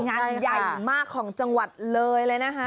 งานใหญ่มากของจังหวัดเลยเลยนะคะ